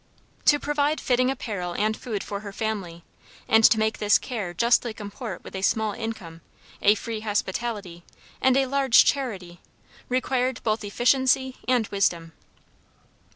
To provide fitting apparel and food for her family, and to make this care justly comport with a small income, a free hospitality, and a large charity, required both efficiency and wisdom.